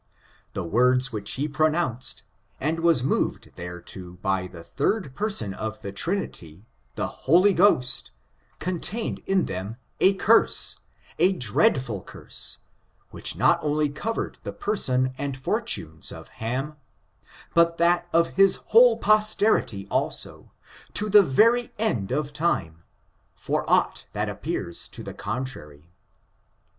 The words which he pronounced, and was moved thereto by the third person of the Trinity, the Holy Ghost, contained in them a curse, a dreadful curse, which not only covered the person and fortunes of Ham, but that of his whole posterity also, to the very end of time, for aught that appears to the contrary.